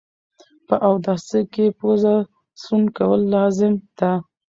په اوداسه کي پوزه سوڼ کول لازم ده